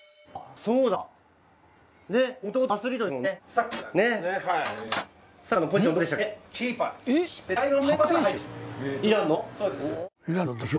そうです。